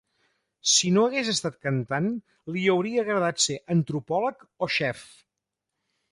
Si no hagués estat cantant, li hauria agradat ser antropòleg o xef.